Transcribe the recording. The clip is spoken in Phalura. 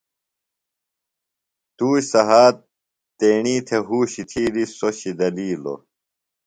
توش سھات تیݨی تھےۡ ہوشی تھِیلیۡ سو شِدلیلیو۔